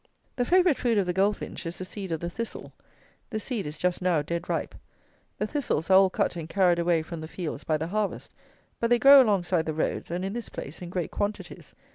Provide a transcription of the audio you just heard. The favourite food of the goldfinch is the seed of the thistle. This seed is just now dead ripe. The thistles are all cut and carried away from the fields by the harvest; but they grow alongside the roads; and, in this place, in great quantities.